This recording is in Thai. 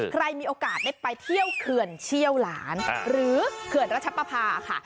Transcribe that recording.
ใครมีโอกาสได้ไปเที่ยวเขื่อนเชี่ยวหลานหรือเขื่อนรัชปภาค่ะ